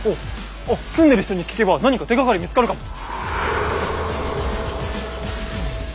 あっ住んでる人に聞けば何か手がかり見つかるかも。